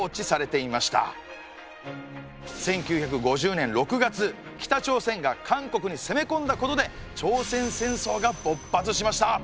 １９５０年６月北朝鮮が韓国にせめこんだことで朝鮮戦争が勃発しました。